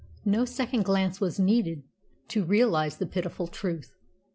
No second glance was needed to realise the pitiful truth.